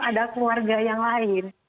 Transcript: ada keluarga yang lain